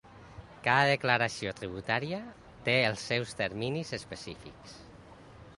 Cada declaració tributària té els seus terminis específics.